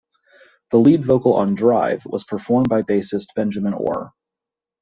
The lead vocal on "Drive" was performed by bassist Benjamin Orr.